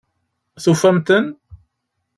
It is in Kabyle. Tufam-ten?